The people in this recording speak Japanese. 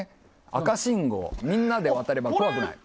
赤信号みんなで渡れば怖くない。